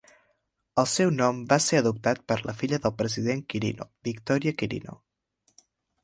El seu nom va ser adoptat per la filla del president Quirino, Victoria Quirino.